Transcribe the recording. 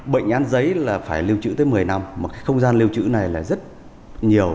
bệnh án giấy là phải lưu trữ tới một mươi năm mà cái không gian lưu trữ này là rất nhiều